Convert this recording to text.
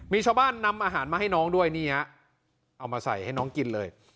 มีชาวบ้านนำอาหารมาให้น้องด้วยนี่ฮะเอามาใส่ให้น้องกินเลย